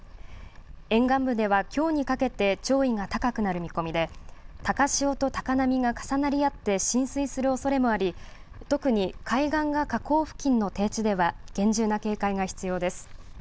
沿岸部ではきょうにかけて潮位が高くなる見込みで高潮と高波が重なり合って浸水するおそれもあり特に海岸が河口付近の低地では厳重な警戒が必要です。